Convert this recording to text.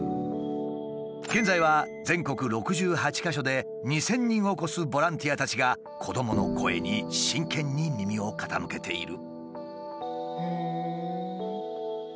現在は全国６８か所で２，０００人を超すボランティアたちが子どもの声に真剣に耳を傾けている。